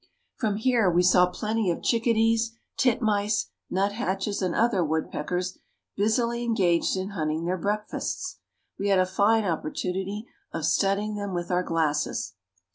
From here we saw plenty of chickadees, titmice, nut hatches, and other woodpeckers busily engaged in hunting their breakfasts. We had a fine opportunity of studying them with our glasses.